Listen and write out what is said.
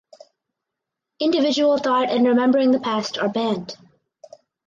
Individual thought and remembering the past are banned.